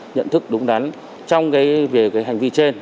nhận thức đúng đắn trong về cái hành vi trên